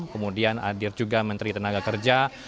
kemudian hadir juga menteri tenaga kerja